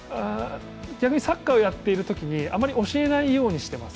逆にサッカーをやっているときに、あまり教えないようにしています。